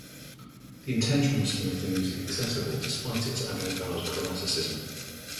The intention was to make the music accessible despite its avant-garde chromaticism.